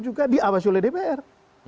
juga diawas oleh dpr